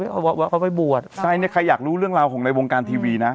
ใช่เค้าบอกว่าเค้าไปบวชใช่เนี้ยใครอยากรู้เรื่องราวของในวงการทีวีน่ะ